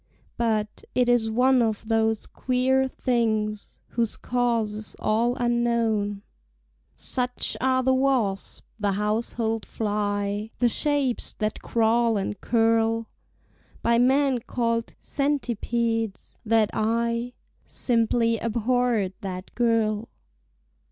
But, it is one of those queer things Whose cause is all unknown— (Such are the wasp, the household fly, The shapes that crawl and curl By men called centipedes)—that I Simply abhorred that girl.